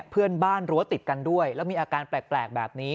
เพื่อนบ้านรั้วติดกันด้วยแล้วมีอาการแปลกแบบนี้